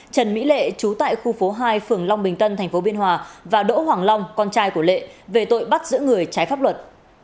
trần mỹ lệ chú tại khu phố hai phường long bình tân tp biên hòa và đỗ hoàng long con trai của lệ về tội bắt giữ người trái pháp luật